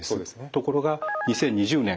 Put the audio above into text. ところが２０２０年